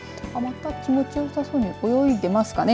気持ちよさそうに泳いでますかね。